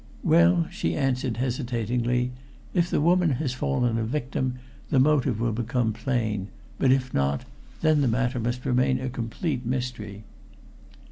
"Well," she answered hesitatingly, "if the woman has fallen a victim, the motive will become plain; but if not, then the matter must remain a complete mystery."